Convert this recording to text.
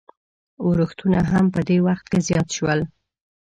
اورښتونه هم په دې وخت کې زیات شول.